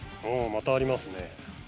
またありますね。